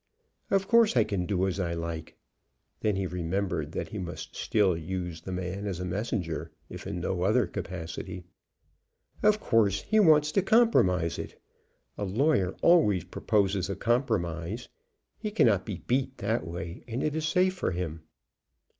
"Of course I can do as I like." Then he remembered that he must still use the man as a messenger, if in no other capacity. "Of course he wants to compromise it. A lawyer always proposes a compromise. He cannot be beat that way, and it is safe for him."